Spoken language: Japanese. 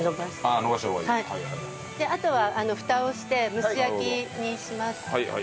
あとはフタをして蒸し焼きにします。